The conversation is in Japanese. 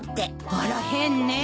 あら変ね。